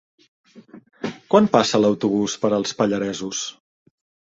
Quan passa l'autobús per els Pallaresos?